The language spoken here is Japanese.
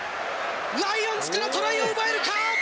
ライオンズからトライを奪えるか？